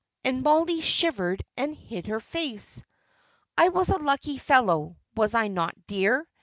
and Mollie shivered and hid her face. "I was a lucky fellow, was I not, dear?